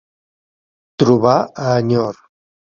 Trobar a enyor.